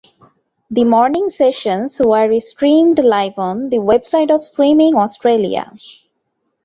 The morning sessions were streamed live on the website of Swimming Australia.